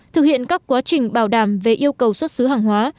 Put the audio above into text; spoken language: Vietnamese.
thực hiện các quá trình bảo đảm về yêu cầu xuất xứ hàng hóa